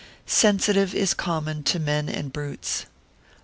Sensitive is common to men and brutes.